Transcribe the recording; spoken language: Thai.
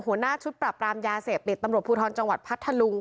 หัวหน้าชุดปรับรามยาเสพติดตำรวจภูทรจังหวัดพัทธลุง